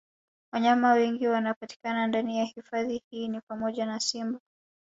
Wanyama wengine wanaopatikana ndani ya hifadhi hii ni pamoja na Simba